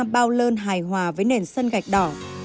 bao lơn hài hòa với nền sân gạch đỏ